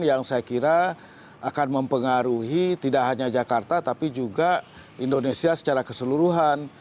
yang saya kira akan mempengaruhi tidak hanya jakarta tapi juga indonesia secara keseluruhan